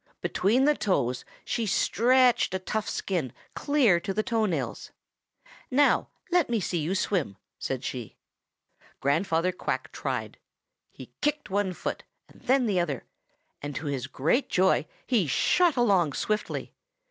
Between the toes she stretched a tough skin clear to the toe nails. 'Now let me see you swim,' said she. "Grandfather Quack tried. He kicked one foot and then the other, and to his great joy he shot along swiftly.